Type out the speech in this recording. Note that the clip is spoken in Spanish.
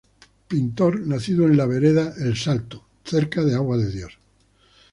Pintor nacido en la vereda El Salto, cerca de Agua de Dios.